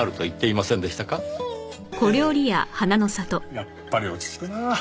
やっぱり落ち着くなあ。